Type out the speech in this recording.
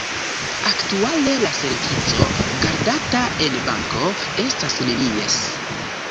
Aktuale la servico, gardata en banko, estas nenies.